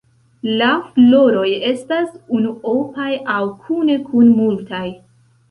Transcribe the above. La floroj estas unuopaj aŭ kune kun multaj.